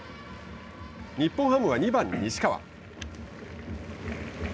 日本ハムは２番西川。